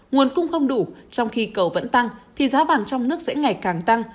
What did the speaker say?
nguồn cung không đủ trong khi cầu vẫn tăng thì giá vàng trong nước sẽ ngày càng tăng